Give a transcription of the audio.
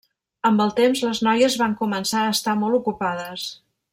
Amb el temps les noies van començar a estar molt ocupades.